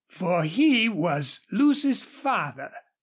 For he was Lucy's father.